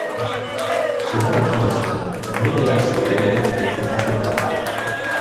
Selon la tradition, Ménélas et Hélène étaient enterrés là.